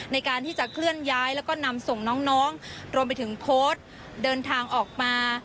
ในการที่จะเคลื่อนย้ายแล้วก็นำส่งน้องรวมไปถึงโพสต์เดินทางออกมา